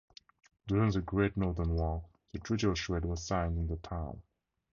During the Great Northern War, the Treaty of Schwedt was signed in the town.